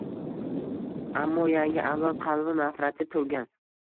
Ammo yangi avlod qalbi nafratga to‘lgan